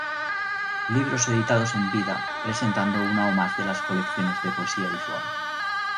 Libros editados en vida presentando una o más de las colecciones de poesía visual.